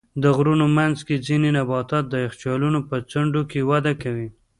د غرونو منځ کې ځینې نباتات د یخچالونو په څنډو کې وده کوي.